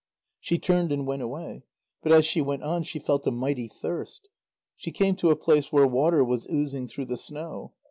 She turned and went away. But as she went on, she felt a mighty thirst. She came to a place where water was oozing through the snow.